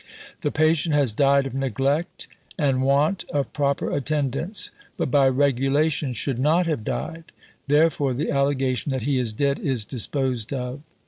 'The patient has died of neglect and want of proper attendance; but by Regulations should not have died; therefore the allegation that he is dead is disposed of.'"